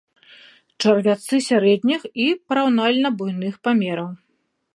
Чарвяцы сярэдніх і параўнальна буйных памераў.